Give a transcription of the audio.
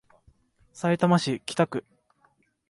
さいたま市北区